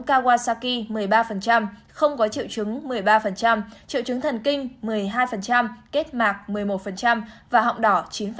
kawasaki một mươi ba không có triệu chứng một mươi ba triệu chứng thần kinh một mươi hai kết mạc một mươi một và họng đỏ chín